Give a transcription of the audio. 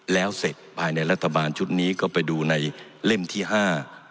แล้วเสร็จภายในรัฐบาลชุดนี้ก็ไปดูในเล่มที่ห้า